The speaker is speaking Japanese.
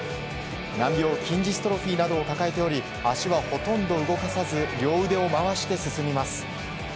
難病、筋ジストロフィーなどを抱えており、足はほとんど動かさず両腕を回して進みます。